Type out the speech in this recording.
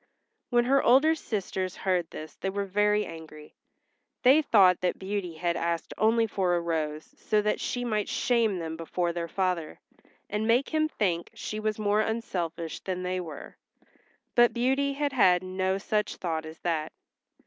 When her older sisters heard this they were very angry. They thought that Beauty had asked only for a rose so that she might shame them before their father, and make him think she was more unselfish than they were. But Beauty had had no such thought as that.